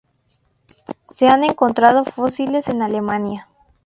Se han encontrado fósiles en Alemania.